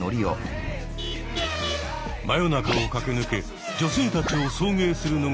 真夜中を駆け抜け女性たちを送迎するのが仕事。